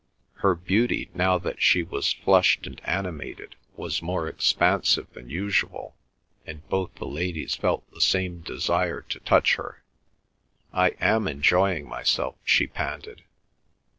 Her beauty, now that she was flushed and animated, was more expansive than usual, and both the ladies felt the same desire to touch her. "I am enjoying myself," she panted.